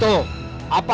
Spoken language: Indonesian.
suruh yang kuat